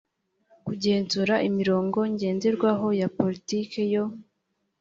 kugenzura imirongo ngenderwaho ya politiki yo